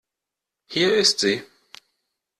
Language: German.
Hier ist sie.